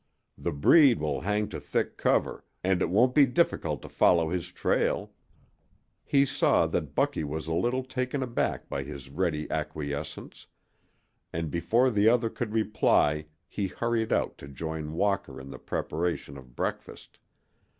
The breed will hang to thick cover, and it won't be difficult to follow his trail." He saw that Bucky was a little taken aback by his ready acquiescence, and before the other could reply he hurried out to join Walker in the preparation of breakfast.